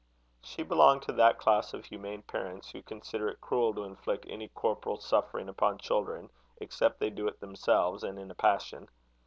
She belonged to that class of humane parents who consider it cruel to inflict any corporal suffering upon children, except they do it themselves, and in a passion.